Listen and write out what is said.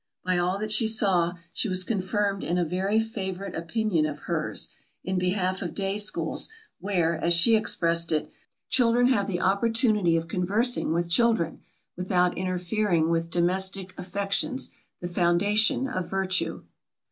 By all that she saw, she was confirmed in a very favourite opinion of her's, in behalf of day schools, where, as she expressed it, "children have the opportunity of conversing with children, without interfering with domestic affections, the foundation of virtue."